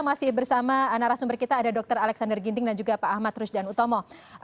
masih bersama narasumber kita ada dr alexander ginting dan juga pak ahmad rusdan utomo